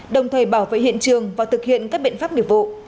đồng thời bảo vệ hiện trường và thực hiện các biện pháp nghiệp vụ